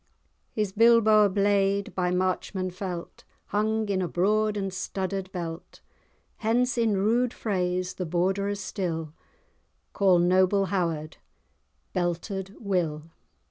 His Bilboa blade, by Marchmen felt, Hung in a broad and studded belt; Hence, in rude phrase, the Borderers still Call'd noble Howard, Belted Will."